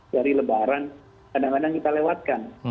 dari lebaran kadang kadang kita lewatkan